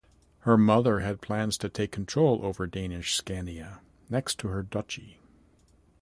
Her mother had plans to take control over Danish Scania, next to her duchy.